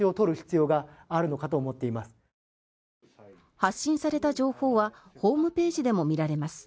発信された情報はホームページでも見られます。